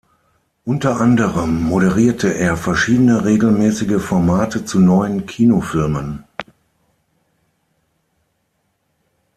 Unter anderem moderierte er verschiedene regelmäßige Formate zu neuen Kinofilmen.